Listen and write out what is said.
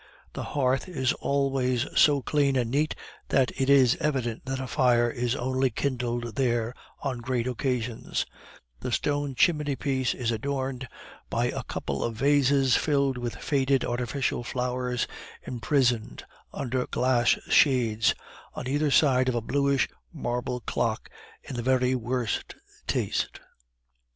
The hearth is always so clean and neat that it is evident that a fire is only kindled there on great occasions; the stone chimney piece is adorned by a couple of vases filled with faded artificial flowers imprisoned under glass shades, on either side of a bluish marble clock in the very worst taste.